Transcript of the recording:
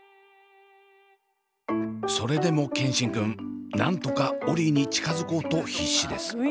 それでも健新くんなんとかオリィに近づこうと必死です。